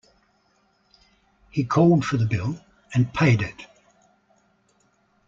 He called for the bill and paid it.